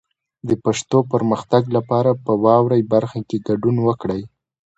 د پښتو پرمختګ لپاره په واورئ برخه کې ګډون وکړئ.